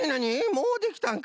もうできたんか。